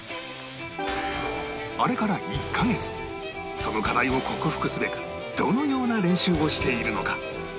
あれから１カ月その課題を克服すべくどのような練習をしているのか